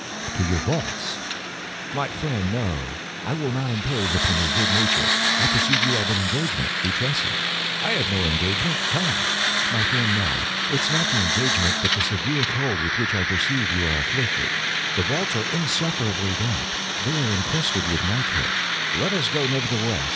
"To your vaults." "My friend, no; I will not impose upon your good nature. I perceive you have an engagement. Luchesi—" "I have no engagement;—come." "My friend, no. It is not the engagement, but the severe cold with which I perceive you are afflicted. The vaults are insufferably damp. They are encrusted with nitre." "Let us go, nevertheless.